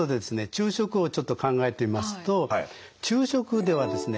昼食をちょっと考えてみますと昼食ではですね